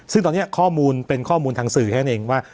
ซึ่งตอนนี้เป็นข้อมูลทางสื่อให้กันเองว่า